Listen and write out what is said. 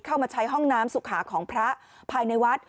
เข้ามาใช้ห้องน้ำสุขาของพระภายในวัด